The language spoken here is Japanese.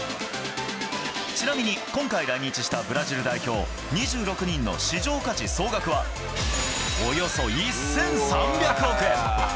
ちなみに今回来日したブラジル代表２６人の市場価値総額は、およそ１３００億円。